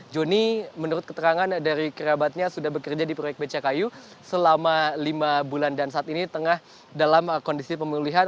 joni menurut keterangan dari kerabatnya sudah bekerja di proyek becakayu selama lima bulan dan saat ini tengah dalam kondisi pemulihan